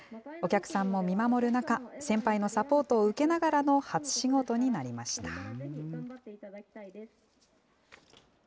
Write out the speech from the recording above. お客さんも見守る中、先輩のサポートを受けながらの初仕事になりました。